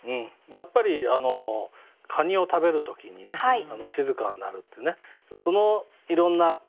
やっぱりカニを食べる時に静かになるってねそのいろんな比喩をね